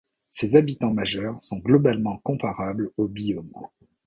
Ces habitats majeurs sont globalement comparables aux biomes.